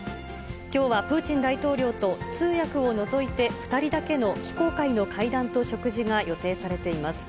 きょうはプーチン大統領と通訳を除いて、２人だけの非公開の会談と食事が予定されています。